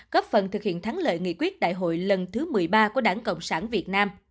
góp phần thực hiện thắng lợi nghị quyết đại hội lần thứ một mươi ba của đảng cộng sản việt nam